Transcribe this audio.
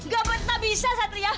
gak pernah bisa satria